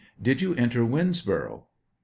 Did you enter Winnsboro' ? A.